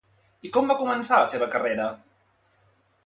I com va començar la seva carrera?